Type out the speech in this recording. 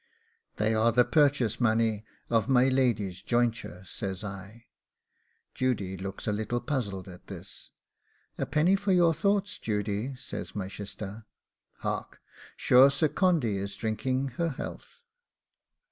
'They are the purchase money of my lady's jointure,' says I. Judy looks a little bit puzzled at this. 'A penny for your thoughts, Judy,' says my shister; 'hark, sure Sir Condy is drinking her health.